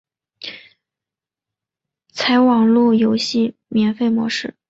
采网路游戏免费模式。